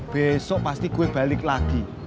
besok pasti gue balik lagi